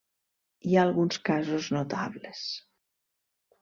Hi ha alguns casos notables.